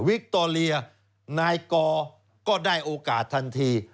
คโตเรียนายกอก็ได้โอกาสทันที